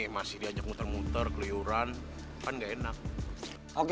masih diajak muter muter keliuran kan gak enak